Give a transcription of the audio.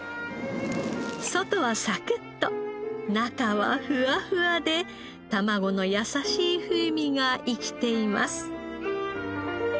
外はサクッと中はふわふわでたまごの優しい風味が生きています。